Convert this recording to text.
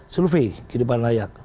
survei kehidupan layak